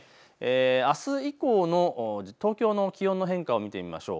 あす以降の東京の気温の変化を見てみましょう。